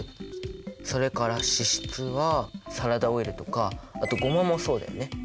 それから脂質はサラダオイルとかあとゴマもそうだよね。